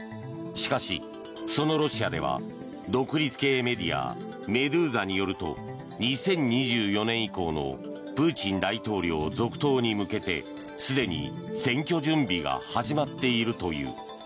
しかし、そのロシアでは独立系メディアメドゥーザによると２０２４年以降のプーチン大統領続投に向けてすでに選挙準備が始まっているという。